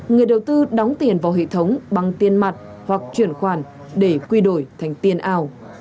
người đầu tư đóng tiền vào hệ thống bằng tiền mặt hoặc chuyển khoản để quy đổi thành tiền ảo